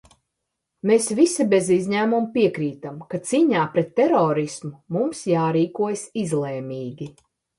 Mēs visi bez izņēmuma piekrītam, ka cīņā pret terorismu mums jārīkojas izlēmīgi.